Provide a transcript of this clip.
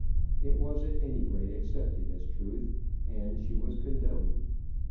It was at any rate accepted as truth, and she was condoned.